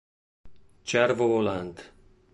Cervo volante